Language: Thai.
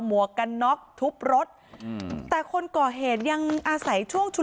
วกกันน็อกทุบรถอืมแต่คนก่อเหตุยังอาศัยช่วงชุน